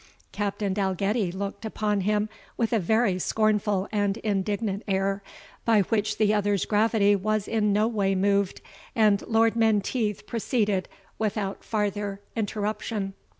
Captain Dalgetty looked upon him with a very scornful and indignant air, by which the other's gravity was in no way moved, and Lord Menteith proceeded without farther interruption.